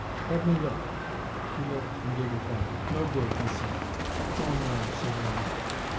"Let me look." He looked, and gave it back. "No good," he said. "Oh, no," said Aaron.